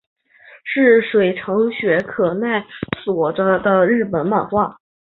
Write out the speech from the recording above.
是水城雪可奈所着的日本漫画。